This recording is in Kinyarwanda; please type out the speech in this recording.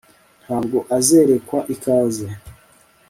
ntabwo azerekwa ikaze